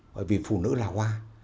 bởi vì phụ nữ là hoa